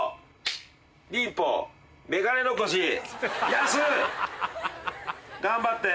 やす！頑張って。